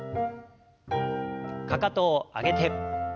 かかとを上げて。